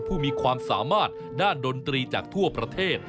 ผู้มีความสามารถด้านดนตรีจากทั่วประเทศ